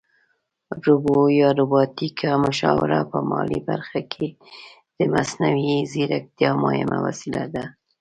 روبو یا روباټیکه مشاوره په مالي برخه کې د مصنوعي ځیرکتیا مهمه وسیله ده